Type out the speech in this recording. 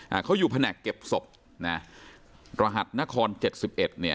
อ่าเขาอยู่แผนกเก็บศพนะรหัสนครเจ็ดสิบเอ็ดเนี่ย